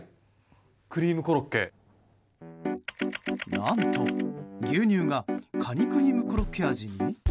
何と牛乳がカニクリームコロッケ味に。